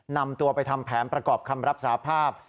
นำตัวไปทำแผนประกอบคำรับสาภาพ